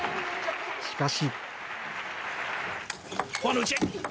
しかし。